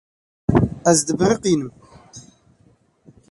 Ez dibiriqînim.